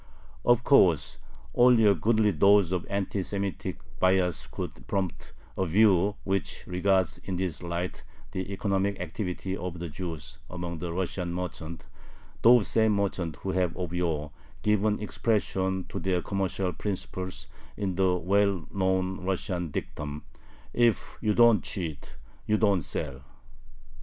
Of course, only a goodly dose of anti Semitic bias could prompt a view which regards in this light the economic activity of the Jews among the Russian merchants, those same merchants who had of yore given expression to their commercial principles in the well known Russian dictum, "If you don't cheat, you don't sell."